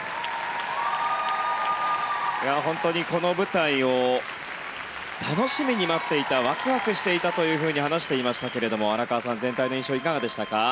本当にこの舞台を楽しみに待っていたワクワクしていたというふうに話していましたけれども荒川さん、全体の印象いかがでしたか？